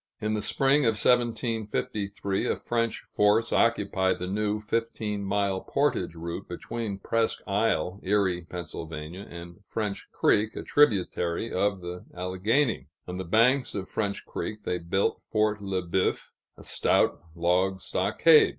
In the spring of 1753, a French force occupied the new fifteen mile portage route between Presque Isle (Erie, Pa.) and French Creek, a tributary of the Alleghany. On the banks of French Creek they built Fort Le Boeuf, a stout log stockade.